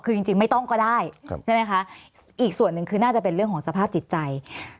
คือจริงไม่ต้องก็ได้ใช่ไหมคะอีกส่วนหนึ่งคือน่าจะเป็นเรื่องของสภาพจิตใจ